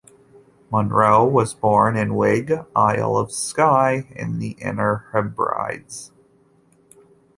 Munro was born in Uig, Isle of Skye in the Inner Hebrides.